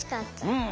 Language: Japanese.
うん！